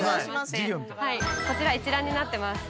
こちら一覧になってます。